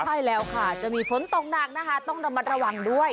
ใช่แล้วค่ะจะมีฝนตกหนักนะคะต้องระมัดระวังด้วย